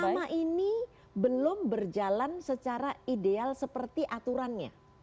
selama ini belum berjalan secara ideal seperti aturannya